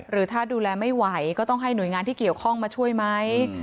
หรือถ้าดูแลไม่ไหวก็ต้องให้หน่วยงานที่เกี่ยวข้องมาช่วยไหม